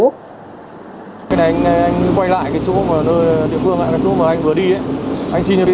cái này anh quay lại cái chỗ mà anh vừa đi ấy